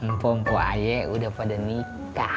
mpo mpo ayah udah pada nikah